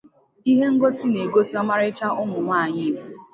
Ihe ngosi a na-egosi ọmarịcha ụmụ nwanyị Igbo.